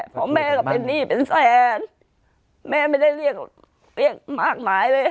เพราะแม่ก็เป็นหนี้เป็นแสนแม่ไม่ได้เรียกเรียกมากมายเลย